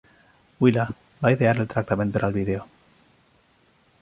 Willa va idear el tractament per al vídeo.